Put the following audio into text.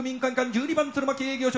１２番弦巻営業所。